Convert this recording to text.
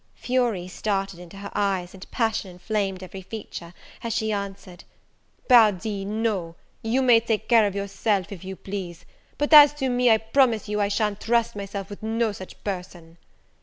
Fury started into her eyes, and passion inflamed every feature, as she answered, "Pardi, no you may take care of yourself, if you please; but as to me, I promise you I sha'n't trust myself with no such person."